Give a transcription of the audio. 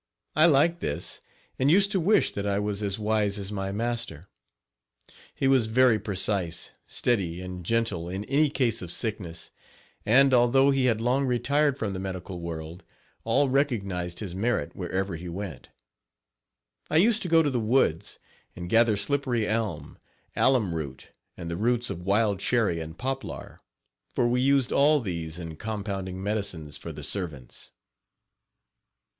I liked this, and used to wish that I was as wise as my master. He was very precise, steady and gentle in any case of sickness, and, although he had long retired from the medical world, all recognized his merit wherever he went. I used to go to the woods and gather slippery elm, alum root and the roots of wild cherry and poplar, for we used all these in compounding medicines for the servants.